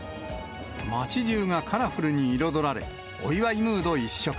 街じゅうがカラフルに彩られ、お祝いムード一色。